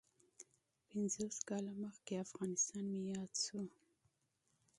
پنځوس کاله مخکې افغانستان مې یاد شو.